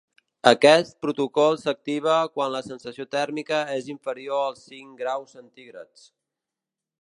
Aquest protocol s’activa quan la sensació tèrmica és inferior als cinc graus centígrads.